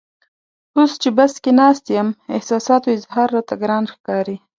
اوس چې بس کې ناست یم احساساتو اظهار راته ګران ښکاري.